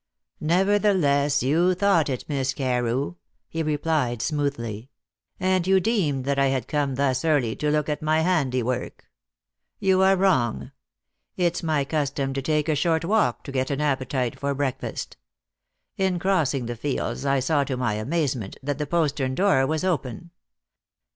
"Nevertheless, you thought it, Miss Carew," he replied smoothly, "and you deemed that I had come thus early to look at my handiwork. You are wrong: it's my custom to take a short walk to get an appetite for breakfast. In crossing the fields, I saw to my amazement that the postern door was open.